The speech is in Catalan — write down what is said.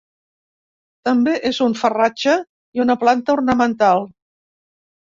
També és un farratge i una planta ornamental.